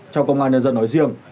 trong công an nhân dân nói riêng